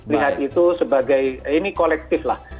lihat itu sebagai ini kolektif lah